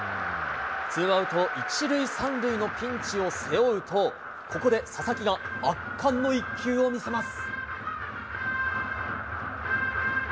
ツーアウト１塁３塁のピンチを背負うと、ここで佐々木が圧巻の一球を見せます。